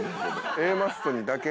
Ａマッソにだけ？